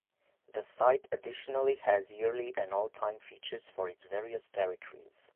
The site additionally has yearly and all time features for its various territories.